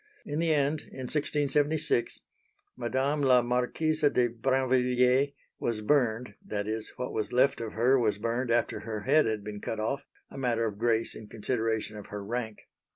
In the end, in 1676, Madame la Marquise de Brinvilliers was burned that is, what was left of her was burned after her head had been cut off, a matter of grace in consideration of her rank.